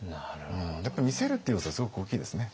やっぱり見せるって要素はすごく大きいですね。